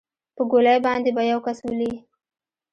په ګولۍ باندې به يو كس ولې.